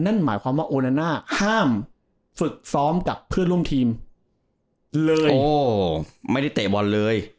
นั่นหมายความว่าโอนาน่าห้ามฝึกซ้อมกับเพื่อนร่วมทีมเลยโอ้ไม่ได้เตะบอลเลย